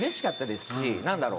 何だろう